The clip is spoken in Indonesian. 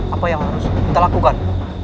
apa yang harus kita lakukan